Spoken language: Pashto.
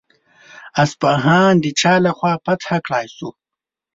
اصفهان د چا له خوا فتح کړای شو؟